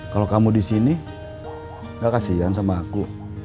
kalau kamu disini gak kasihan sama aku